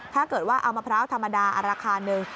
ถ้าเกิดว่าเอามะพร้าวธรรมดาราคาหนึ่ง